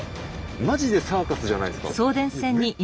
マジでサーカスじゃないですか？